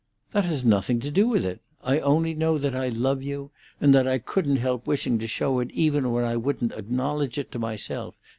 "That has nothing to do with it. I only know that I love you, and that I couldn't help wishing to show it even when I wouldn't acknowledge it to myself.